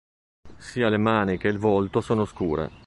Sia le mani che il volto sono scure.